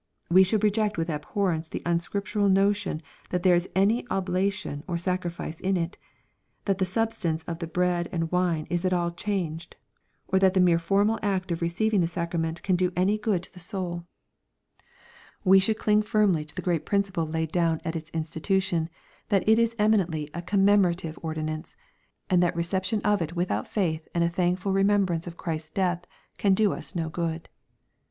We should reject with abhorrence the unsoriptural notion that there is any oblation or sacrifice in it, — that the substance of the bread and wine is at all changed, — or that the mere formal act of receivingr the sacrament can do any good to the soul LUKE, CHAP, xxn, 897 We should cling firmly to the great principle laid down at its institution, that it is eminently a commemorative ordinance, and that reception of it without faith and a thankful remembrance of Christ's death can do us no good.